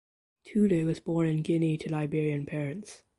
Toure was born in Guinea to Liberian parents.